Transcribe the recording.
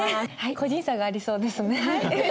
個人差がありそうですね。